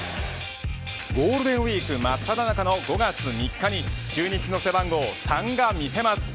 ゴールデンウイークまっただ中の５月３日に中日の背番号３が見せます。